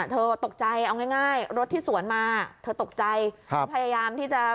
เธอตกใจเอาง่ายรถที่สวนมาเธอตกใจพยายามที่จะ